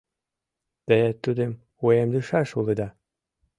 Те тудым уэмдышаш улыда.